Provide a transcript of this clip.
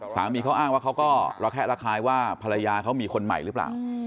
สามีเขาอ้างว่าเขาก็ระแคะระคายว่าภรรยาเขามีคนใหม่หรือเปล่า